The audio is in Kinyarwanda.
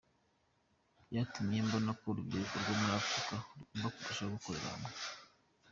Byatumye mbona ko urubyiruko rwo muri Afurika rugomba kurushaho gukorera hamwe.